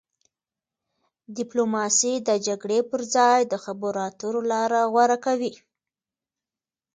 ډیپلوماسي د جګړې پر ځای د خبرو اترو لاره غوره کوي.